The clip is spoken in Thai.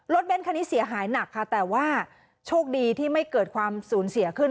เน้นคันนี้เสียหายหนักค่ะแต่ว่าโชคดีที่ไม่เกิดความสูญเสียขึ้น